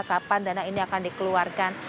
kapan dana ini akan dikeluarkan